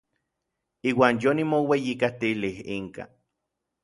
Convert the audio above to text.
Iuan yonimoueyijkatilij inka.